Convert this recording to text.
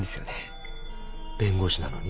弁護士なのに？